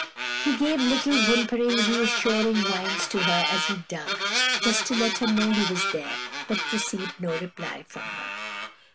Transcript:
He gave little, whimpering, reassuring whines to her as he dug, just to let her know he was there, but received no reply from her.